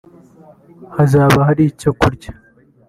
Hazaba hari icyo kurya